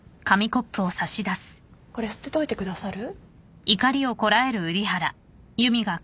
これ捨てといてくださる？